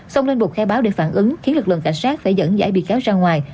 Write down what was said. xong lên bụt khai báo để phản ứng khiến lực lượng cảnh sát phải dẫn dãi bị cáo ra ngoài